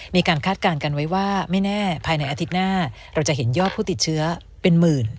คาดการณ์กันไว้ว่าไม่แน่ภายในอาทิตย์หน้าเราจะเห็นยอดผู้ติดเชื้อเป็นหมื่น